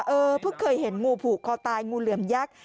เออเพิ่งเคยเห็นงูผูกคอตายงูเหลือมยักษ์